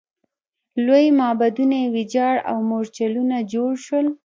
لوی معبدونه یې ویجاړ او مورچلونه جوړ شول.